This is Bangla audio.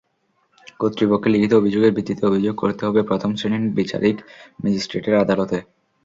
কর্তৃপক্ষের লিখিত অভিযোগের ভিত্তিতে অভিযোগ করতে হবে প্রথম শ্রেণির বিচারিক ম্যাজিস্ট্রেটের আদালতে।